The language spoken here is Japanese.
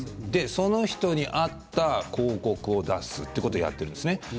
その人に合った広告を出すということをやっています。